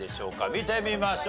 見てみましょう。